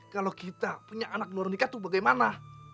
kalau kita punya anak luar nikah itu bagaimana